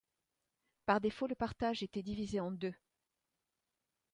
Par défaut le partage était divisé en deux.